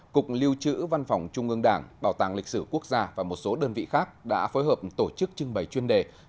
cục lưu trữ văn phòng trung ương đảng bảo tàng lịch sử quốc gia và một số đơn vị khác đã phối hợp tổ chức trưng bày chuyên đề